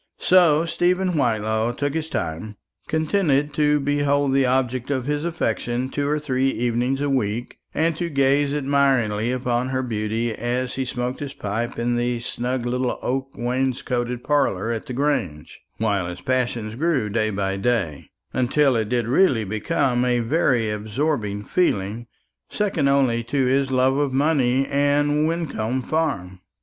So Stephen Whitelaw took his time, contented to behold the object of his affection two or three evenings a week, and to gaze admiringly upon her beauty as he smoked his pipe in the snug little oak wainscoted parlour at the Grange, while his passion grew day by day, until it did really become a very absorbing feeling, second only to his love of money and Wyncomb Farm.